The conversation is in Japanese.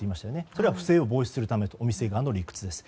これは不正を防止するためお店側の理屈です。